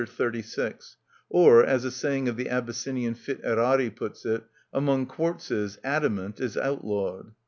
36), or as a saying of the Abyssinian Fit Arari puts it, "Among quartzes adamant is outlawed."